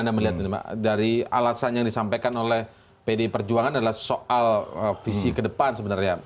anda melihat ini dari alasan yang disampaikan oleh pdi perjuangan adalah soal visi ke depan sebenarnya